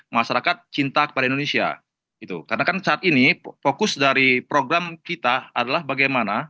masyarakat cinta kepada indonesia itu karena kan saat ini fokus dari program kita adalah bagaimana